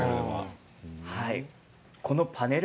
このパネル